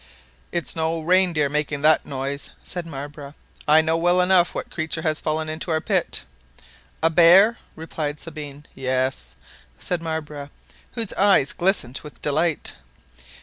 "It's no reindeer making that noise, "said Marbre, "I know well enough what creature has fallen into our pit." "A bear?" replied Sabine. "Yes," said Marbre, whose eyes glistened with delight.